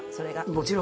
もちろん。